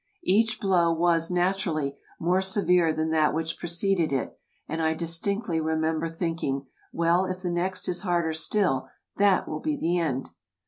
Each blow was, naturally, more severe than that which preceded it, and I distinctly remember thinking, "Well, if the next is harder still, that will be the end!"